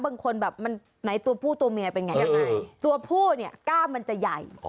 บางคนแบบมันไหนตัวผู้ตัวเมียเป็นไงยังไงตัวผู้เนี่ยกล้ามมันจะใหญ่